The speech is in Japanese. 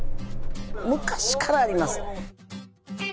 昔からあります。